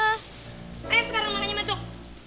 ayo sekarang mau aja masuk